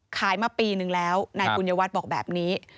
ขายมาปีนึงแล้วนายปุญญวัฒน์บอกแบบนี้